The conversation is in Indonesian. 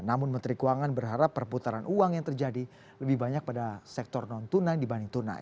namun menteri keuangan berharap perputaran uang yang terjadi lebih banyak pada sektor non tunai dibanding tunai